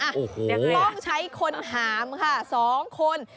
ต้องใช้คนหามสองคน